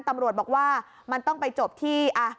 ตำรวจบอกว่ามันต้องไปจบที่